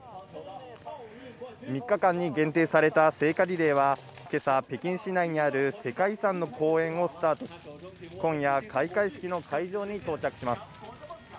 ３日間に限定された聖火リレーは今朝、北京市内にある世界遺産の公園をスタートし、今夜、開会式の会場に到着します。